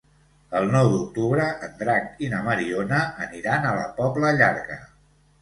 El nou d'octubre en Drac i na Mariona aniran a la Pobla Llarga.